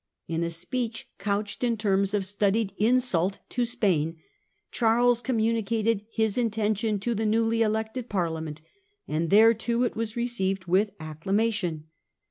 In a speech couched in terms of studied insult to Spain Charles communicated his intention to the newly elected Parliament, and there too it was received with acclamation.